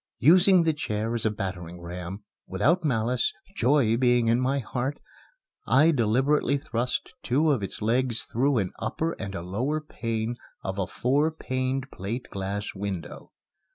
Using the chair as a battering ram, without malice joy being in my heart I deliberately thrust two of its legs through an upper and a lower pane of a four paned plate glass window.